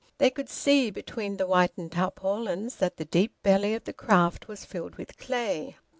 They could see, between the whitened tarpaulins, that the deep belly of the craft was filled with clay.